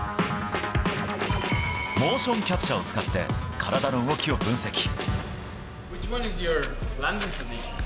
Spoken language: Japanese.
モーションキャプチャーを使って体の動きを分析。